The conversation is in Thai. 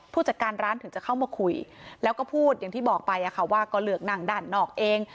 ผู้จัดการร้านถึงจะเข้ามาคุยแล้วก็พูดอย่างที่บอกไปว่าก็เลือกนั่งด้านนอกเอง